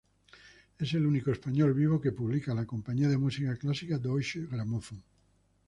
Es el único español vivo que publica la compañía de música clásica Deutsche Grammophon.